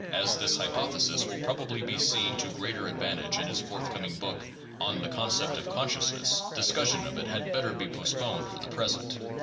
As this hypothesis will probably be seen to greater advantage in his forthcoming book on "The Concept of Consciousness," discussion of it had better be postponed for the present.